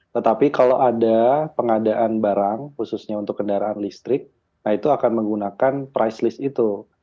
tetapi kalau ada pengadaan barang khususnya untuk kendaraan listrik itu akan menggunakan price list itu